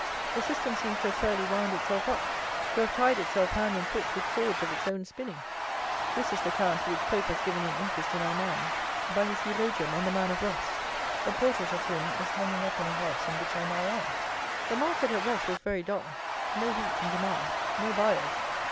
The system seems to have fairly wound itself up; to have tied itself hand and foot with cords of its own spinning! This is the town to which POPE has given an interest in our minds by his eulogium on the "Man of Ross," a portrait of whom is hanging up in a house in which I now am. The market at Ross was very dull. No wheat in demand. No buyers.